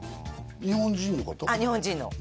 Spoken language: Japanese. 日本人の方？